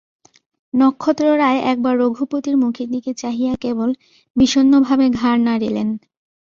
নক্ষত্ররায় একবার রঘুপতির মুখের দিকে চাহিয়া কেবল বিষণ্নভাবে ঘাড় নাড়িলেন।